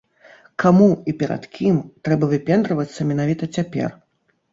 Каму і перад кім трэба выпендрывацца менавіта цяпер?